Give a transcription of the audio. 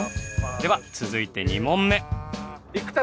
では続いて２問目。